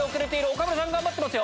岡村さん頑張ってますよ。